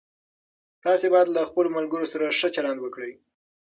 تاسو باید له خپلو ملګرو سره ښه چلند وکړئ.